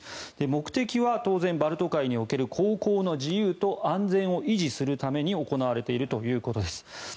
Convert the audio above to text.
目的は当然バルト海における航行の自由と安全を維持するために行われているということです。